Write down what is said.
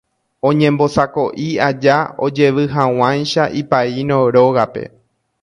Oñembosako'i aja ojevyhag̃uáicha ipaíno rógape.